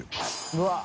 うわっ！